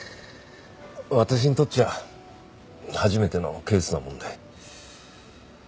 私にとっちゃ初めてのケースなもんで。